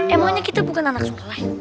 emangnya kita bukan anak soleh